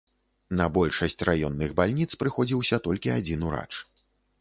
На большасць раённых бальніц прыходзіўся толькі адзін урач.